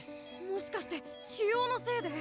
もしかして腫瘍のせいで？